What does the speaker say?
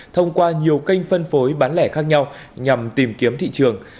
thông qua nhiều kênh phân phối bán lẻ khác nhau nhằm tìm kiếm thị trường